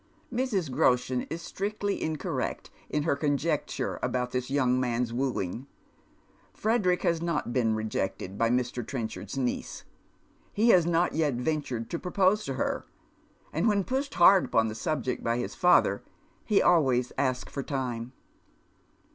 Mrs. Groshen is strictly inconect in her conjecture about this young man's wooing. Frederick has not been rejected by Mr. Trenchard's niece. He lias not yet ventured to propose to her, and when pushed hard upon tlie subject by his father, he always asks for time.